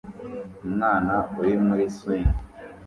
Umwana uri muri swing